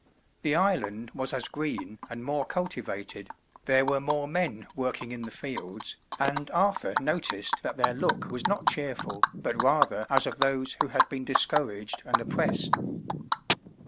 The island was as green and more cultivated, there were more men working in the fields, and Arthur noticed that their look was not cheerful, but rather as of those who had been discouraged and oppressed.